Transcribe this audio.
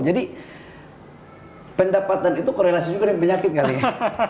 jadi pendapatan itu korelasi juga dengan penyakit kali ya